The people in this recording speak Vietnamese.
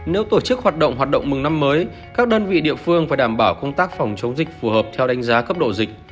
nếu tổ chức hoạt động hoạt động mừng năm mới các đơn vị địa phương phải đảm bảo công tác phòng chống dịch phù hợp theo đánh giá cấp độ dịch